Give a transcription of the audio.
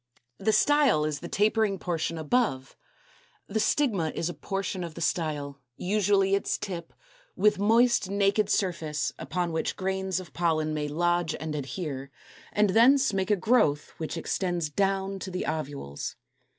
The Style is the tapering portion above: the Stigma is a portion of the style, usually its tip, with moist naked surface, upon which grains of pollen may lodge and adhere, and thence make a growth which extends down to the ovules.